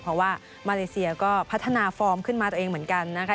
เพราะว่ามาเลเซียก็พัฒนาฟอร์มขึ้นมาตัวเองเหมือนกันนะคะ